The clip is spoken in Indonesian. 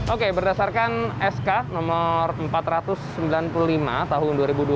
oke berdasarkan sk nomor empat ratus sembilan puluh lima tahun dua ribu dua puluh